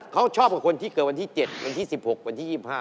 เขาชอบกับคนที่เกิดวันที่๗วันที่๑๖วันที่๒๕